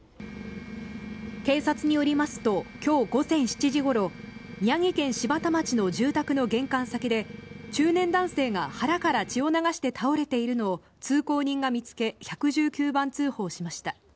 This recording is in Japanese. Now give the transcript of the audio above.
警察によりますと、きょう午前７時ごろ、宮城県柴田町の住宅の玄関先で、中年男性が腹から血を流して倒れているのを通行人が見つけ、１１９番通報しました。